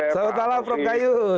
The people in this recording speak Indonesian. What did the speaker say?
selamat malam prof gayus